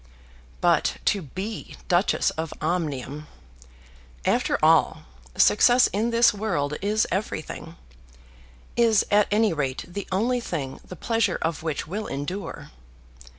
But to be Duchess of Omnium! After all, success in this world is everything; is at any rate the only thing the pleasure of which will endure.